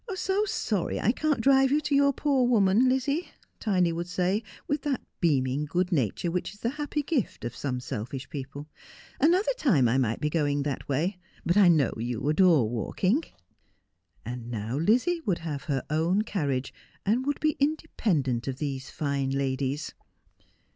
So sorry I can't drive you to your poor woman, Lizzie,' Tiny would say, with that beaming good nature which is the happy gift of some seltish people. 'Another time I might be going that way ; but I know you adore walking.' And now Lizzie would have her own carriage, and would be independent of these fine ladies.